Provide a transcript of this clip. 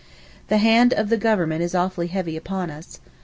The hand of the Government is awfully heavy upon us.